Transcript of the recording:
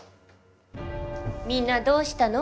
みんなどうしたの？